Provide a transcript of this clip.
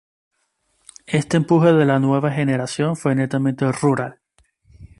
Este empuje de la nueva generación fue netamente rural.